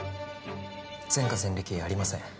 前科前歴ありません